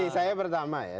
ini saya pertama ya